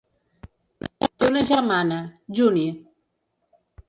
Té una germana, Junie.